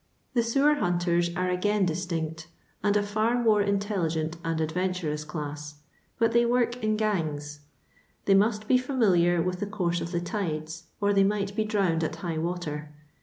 The sewer hunters are again distinct, and a fiir more intelligent and adventurous class ; bat they work in gangs. They must be fiuniliar with the course of the tides, or they might be drowned at high water.